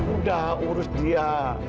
udah urus dia